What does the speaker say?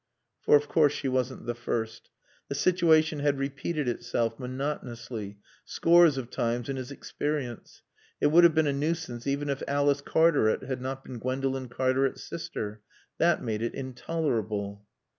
For of course she wasn't the first. The situation had repeated itself, monotonously, scores of times in his experience. It would have been a nuisance even if Alice Cartaret had not been Gwendolen Cartaret's sister. That made it intolerable.